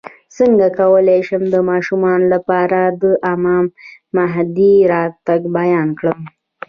څنګه کولی شم د ماشومانو لپاره د امام مهدي راتګ بیان کړم